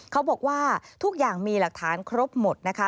เขาบอกว่าทุกอย่างมีหลักฐานครบหมดนะคะ